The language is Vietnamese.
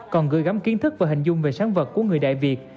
còn gửi gắm kiến thức và hình dung về sáng vật của người đại việt